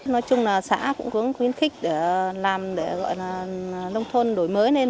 nói chung là xã cũng khuyến khích để làm để gọi là nông thôn đổi mới lên